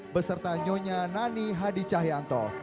beserta nyonya nani hadi cahyanto